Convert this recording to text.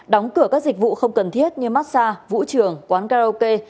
đóng cửa các dịch vụ không cần thiết như mát xa vũ trường quán karaoke